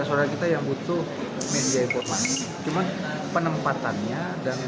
saat ini rutan cilodong kelas dua dihuni seribu satu ratus delapan puluh empat napi yang menempati blok a b dan c